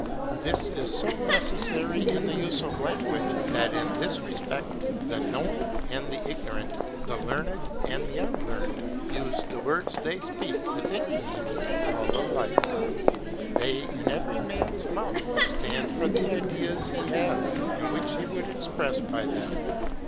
This is so necessary in the use of language, that in this respect the knowing and the ignorant, the learned and the unlearned, use the words they speak (with any meaning) all alike. They, in every man's mouth, stand for the ideas he has, and which he would express by them.